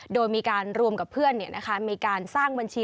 โดยมีการรวมกับเพื่อนมีการสร้างบัญชี